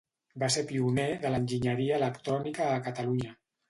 Va ser pioner de l'enginyeria electrònica a Catalunya.